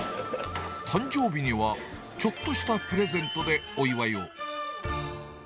誕生日にはちょっとしたプレゼントでお祝いを。